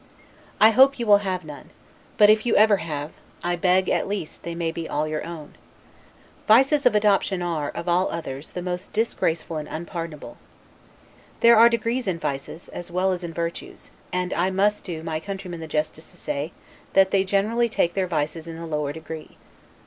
I hope you will have none; but if ever you have, I beg, at least, they may be all your own. Vices of adoption are, of all others, the most disgraceful and unpardonable. There are degrees in vices, as well as in virtues; and I must do my countrymen the justice to say, that they generally take their vices in the lower degree.